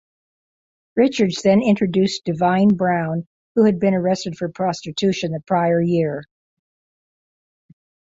Richards then introduced Divine Brown (who had been arrested for prostitution the prior year).